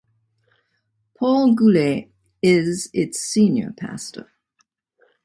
Paul Goulet is its Senior Pastor.